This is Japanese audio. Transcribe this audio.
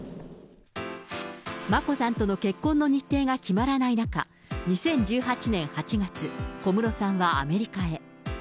眞子さんとの結婚の日程が決まらない中、２０１８年８月、小室さんはアメリカへ。